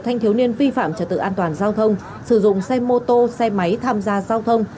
thanh thiếu niên vi phạm trật tự an toàn giao thông sử dụng xe mô tô xe máy tham gia giao thông